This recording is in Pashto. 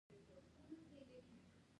د ښکېلاک لاسپوڅو هلې ځلې راپیل شوې.